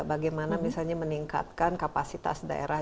bagaimana misalnya meningkatkan kapasitas daerah